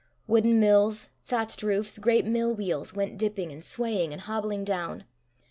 Wooden mills, thatched roofs, great mill wheels, went dipping and swaying and hobbling down.